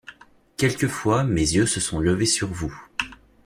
Quelquefois mes yeux se sont levés sur vous.